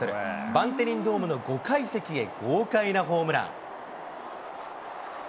バンテリンドームの５階席へ豪快なホームラン。